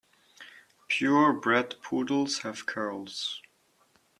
Pure bred poodles have curls.